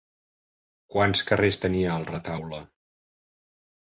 Quants carrers tenia el retaule?